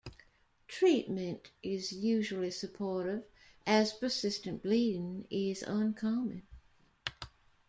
Treatment is usually supportive as persistent bleeding is uncommon.